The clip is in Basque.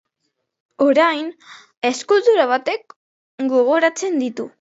Orain, eskultura batek gogoratzen ditu.